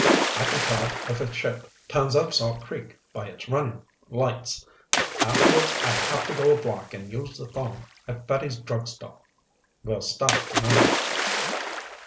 I can tell if a ship turns up Salt Creek by its running lights. Afterwards, I'll have to go a block and use the phone at Fetty's Drug Store. We'll start tonight."